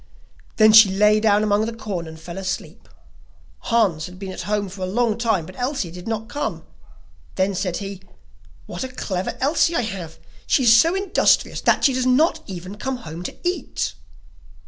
Then she lay down among the corn and fell asleep. Hans had been at home for a long time, but Elsie did not come; then said he: 'What a clever Elsie I have; she is so industrious that she does not even come home to eat.